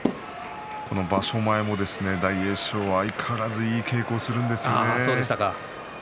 場所前も大栄翔相変わらずいい稽古をするんですね。